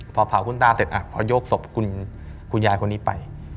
พอเผาคุณตาเสร็จพอยกศพคุณยายคนนี้ไป